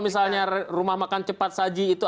mereka bikin seperti itu